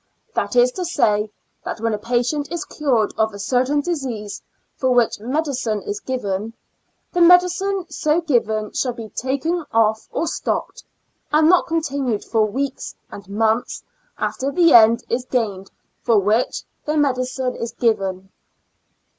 That is to say, that, when a patient is cured of a certain disease for which medicine is given, the medi cine so given shall be taken off or stopped, and not continued for weeks and months after the end is gained for which the medicine is given.